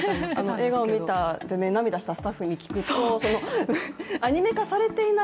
映画を見て、涙をしたスタッフに聞くとアニメ化されていない